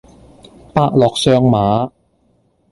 伯樂相馬